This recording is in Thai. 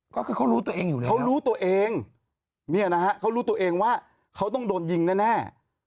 ก็คือเขารู้ตัวเองอยู่แล้วเขารู้ตัวเองเนี่ยนะฮะเขารู้ตัวเองว่าเขาต้องโดนยิงแน่